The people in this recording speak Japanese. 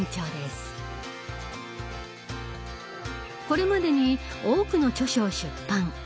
これまでに多くの著書を出版。